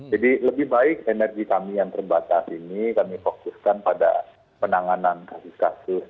jadi lebih baik energi kami yang terbatas ini kami fokuskan pada penanganan kasus kasus